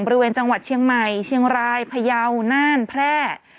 บริเวณจังหวัดเชียงใหม่เชียงรายพยาวน่านแพร่